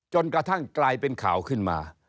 จนกระทั่งกลายเป็นข่าวขึ้นมา